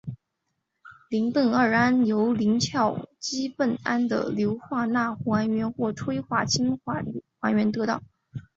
邻苯二胺由邻硝基苯胺的硫化钠还原或催化氢化还原得到。